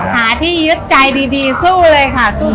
หาที่ยึดใจดีสู้เลยค่ะสู้